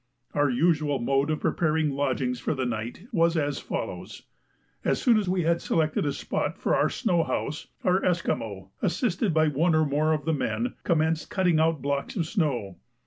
Our usual mode of preparing lodgings for the night was as follows: As soon as we had selected a spot for our snow house, our Esquimaux, assisted by one or more of the men, commenced cutting out blocks of snow.